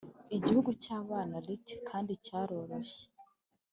igihugu cyabana lithe kandi cyoroshye,